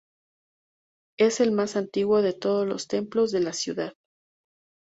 Es el más antiguo de todos los templos de la ciudad.